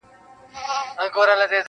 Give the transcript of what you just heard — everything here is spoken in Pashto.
لا به مي څونه ژړوي د عمر توري ورځي-